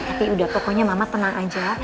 tapi udah pokoknya mama tenang aja